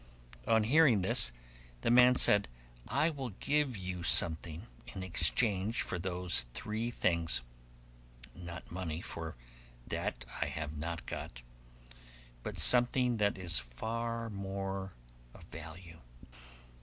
On hearing this, the man said, 'I will give you something in exchange for those three things; not money, for that I have not got, but something that is of far more value.